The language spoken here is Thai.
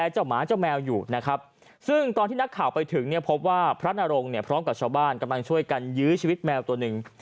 เจ้าหมาเจ้าแมวอยู่นะครับซึ่งตอนที่นักข่าวไปถึงเนี่ยพบว่าพระนรงเนี่ยพร้อมกับชาวบ้านกำลังช่วยกันยื้อชีวิตแมวตัวหนึ่ง